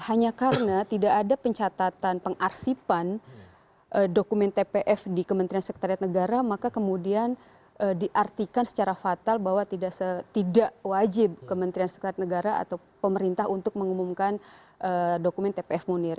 hanya karena tidak ada pencatatan pengarsipan dokumen tpf di kementerian sekretariat negara maka kemudian diartikan secara fatal bahwa tidak wajib kementerian sekretariat negara atau pemerintah untuk mengumumkan dokumen tpf munir